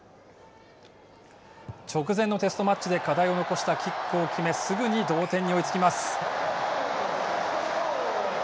直前のテストマッチで課題を残したキックを決めすぐに同点に追いつきます。